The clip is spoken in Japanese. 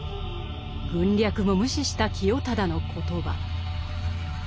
軍略も無視した清忠の言葉。